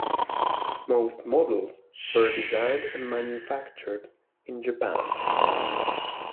Most models were designed and manufactured in Japan.